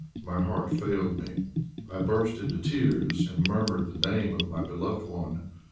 My heart failed me; I burst into tears and murmured the name of my loved one.